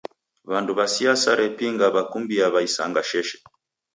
W'andu w'a siasa repinga w'akumbia w'aisanga sheshe.